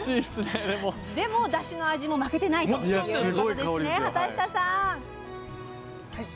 でも、だしの味も負けてないということですね。